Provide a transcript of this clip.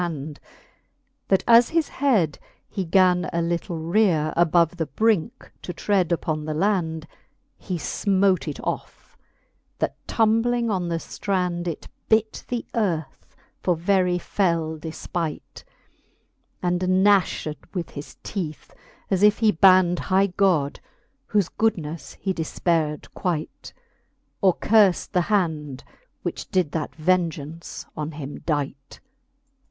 hand, That as his head he gan a litle reare Above the brincke, to tread upon the land, He fmote it ofF, that tumbling on the flxand It bit the earth for very fell defpight, And gnafhed with his teeth, as if he band High God, vi'hofe goodriefle he defpaired quight. Or curfl the hand, which did that vengeance on him digh? XIX.